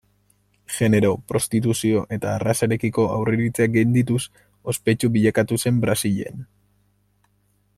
Genero, prostituzio eta arrazarekiko aurreiritziak gaindituz, ospetsu bilakatu zen Brasilen.